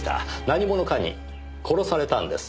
何者かに殺されたんです。